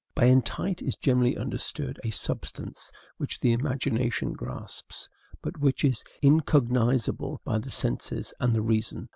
By entite is generally understood a substance which the imagination grasps, but which is incognizable by the senses and the reason.